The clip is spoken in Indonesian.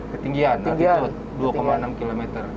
ketinggian itu dua enam km